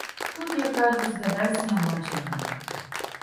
Тут, як кажуць, дадаць няма чаго.